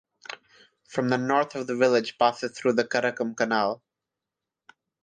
From the north of the village passes through the Karakum Canal.